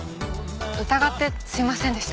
疑ってすいませんでした。